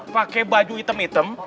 pakai baju hitam hitam